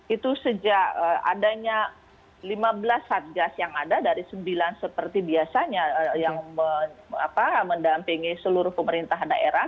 itu sejak adanya lima belas satgas yang ada dari sembilan seperti biasanya yang mendampingi seluruh pemerintah daerah